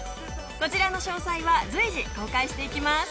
こちらの詳細は随時公開していきます。